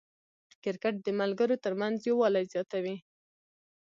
کرکټ د ملګرو ترمنځ یووالی زیاتوي.